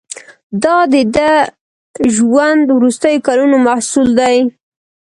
دا د ده ژوند وروستیو کلونو محصول دی.